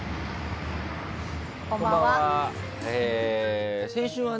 こんばんは。